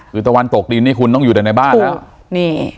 คือตะวันตกดีนี่คุณต้องอยู่ในบ้าน